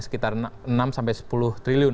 sekitar enam sepuluh triliun